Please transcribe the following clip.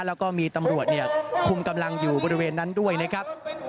แล้วก็มีตำรวจคุมกำลังอยู่บริเวณนั้นด้วยนะครับ